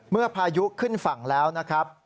พายุขึ้นฝั่งแล้วนะครับ